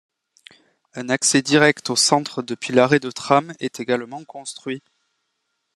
Un accès direct au centre depuis l'arrêt de tram est également construit.